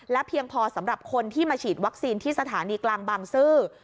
เพียงพอสำหรับคนที่มาฉีดวัคซีนที่สถานีกลางบางซื่อ